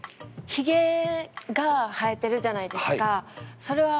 ヒゲが生えてるじゃないですか。